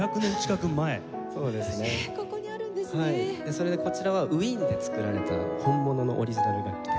それでこちらはウィーンで作られた本物のオリジナル楽器です。